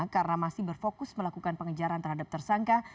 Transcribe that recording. karena masih berfokus melakukan pengejaran terhadap tersangka